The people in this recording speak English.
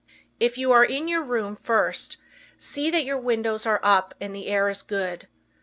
If you are in your room first see that your windows are up and the air is good.